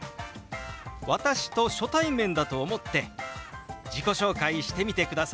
私と初対面だと思って自己紹介してみてください。